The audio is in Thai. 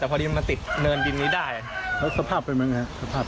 แต่พอดีมันติดเนินดินไม่ได้แล้วสภาพเป็นมันไงฮะ